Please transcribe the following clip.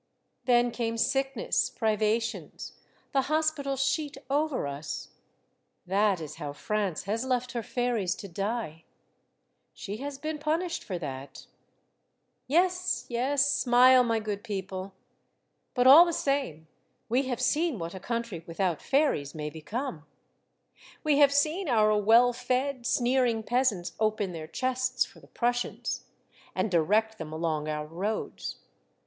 Then came sickness, privations, the hospital sheet over us. That is how France has left her fairies to die. She has been punished for that. " Yes, yes, smile, my good people. But, all the The Fairies of France, 195 same, we have seen what a country without fairies may become. We have seen our well fed, sneering peasants open their chests for the Prussians, and direct them along our roads.